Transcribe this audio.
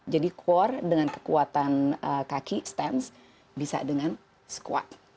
jadi core dengan kekuatan kaki stance bisa dengan squat